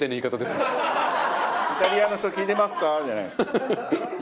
「イタリアの人聞いてますか？」じゃないんですよ。